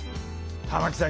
玉木さん